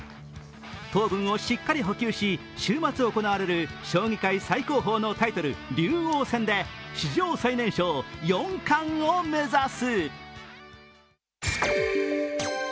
糖分をしっかり補給し、週末行われる将棋界最高峰のタイトル、竜王戦で史上最年少・四冠を目指す。